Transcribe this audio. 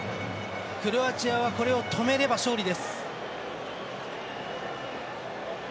クロアチアはこれを止めれば勝利です。